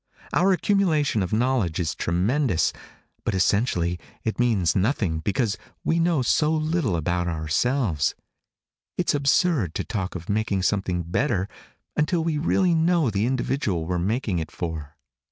Our accumulation of knowledge is tremendous, but essentially it means nothing because we know so little about ourselves. It's absurd to talk of making something better until we really know the individual we're making it for."